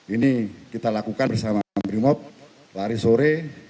ini kita lakukan bersama primob hari sore